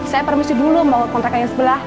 saya permisi dulu membangun kontrakan yang sebelah